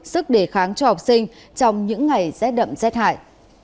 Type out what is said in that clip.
sức đề kháng cho học sinh trong những ngày rét đậm rét hại